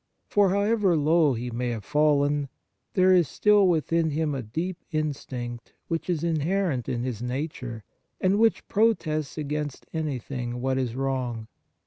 For, however low he may have fallen, there is still within him a deep instinct, which is inherent in his nature, and which protests against what is wrong.